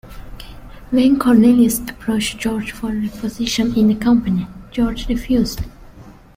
When Cornelius approached George for a position in the company, George refused.